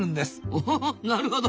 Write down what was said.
おおなるほど。